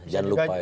jangan lupa itu